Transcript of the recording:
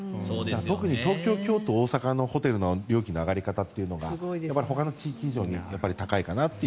特に東京、大阪、京都のホテルの料金の上がり方というのがほかの地域以上に高いかなと。